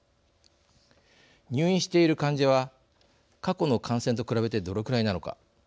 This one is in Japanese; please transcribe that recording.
入院している患者は過去の感染と比べてどのくらいなのか。